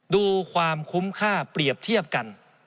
ดูความคุ้มค่าเปรียบเทียบกัน